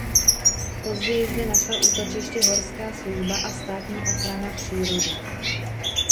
Později zde našla útočiště Horská služba a Státní ochrana přírody.